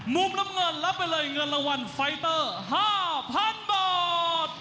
มุมน้ำเงินรับไปเลยเงินรางวัลไฟเตอร์๕๐๐๐บาท